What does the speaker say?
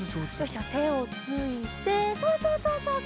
てをついてそうそうそうそうそう。